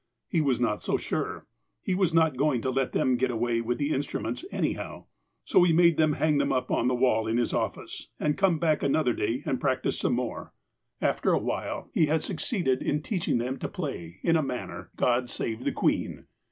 He was not so sure. He was not going to let them get away with the instruments any how. So he made them hang them up on the wall in his office, and come back another day and practice some more. BACK IN OLD ENGLAND 227 After a while, he had succeeded in teaching them to play, in a manner, ''God save the Queen."